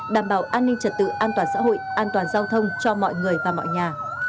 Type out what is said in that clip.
đảm bảo an ninh trật tự an toàn xã hội an toàn giao thông cho mọi người và mọi nhà